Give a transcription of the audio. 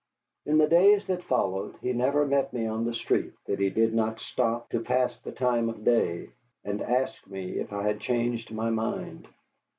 In the days that followed he never met me on the street that he did not stop to pass the time of day, and ask me if I had changed my mind.